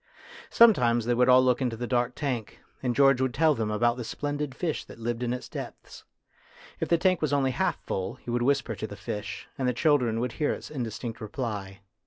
Sometimes they would all look into the dark tank, and George would tell them about the splendid fish that lived in its depths. If the tank was only half full, he would whisper to the fish, and the children would hear its indistinct reply.